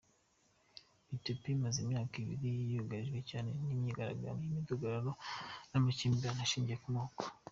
Ethiopia imaze imyaka ibiri yugarijwe cyane n’imyigaragambyo, imidugararo n’amakimbirane ashingiye ku moko.